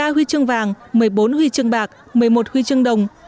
một mươi ba huy chương vàng một mươi bốn huy chương bạc một mươi một huy chương đồng